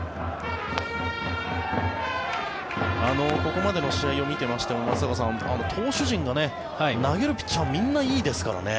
ここまでの試合を見ていましても松坂さん投手陣が、投げるピッチャーみんないいですからね。